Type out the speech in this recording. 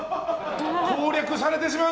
攻略されてしまう！